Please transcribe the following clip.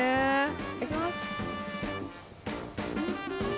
いただきます。